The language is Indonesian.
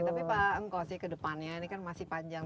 tapi pak ngkosnya ke depannya ini kan masih panjang